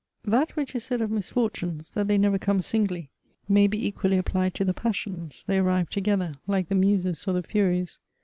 That which is said of misfortunes, that they never come singly, may be equally applied to the passions — they arrive together, like the Muses or the Furies.